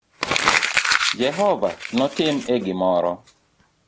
Jehova notim e gimoro